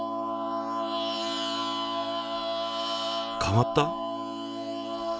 変わった？